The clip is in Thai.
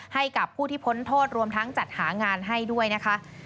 ให้กับผู้ที่พ้นโทษรวมทั้งจัดหางานให้ด้วยนะคะ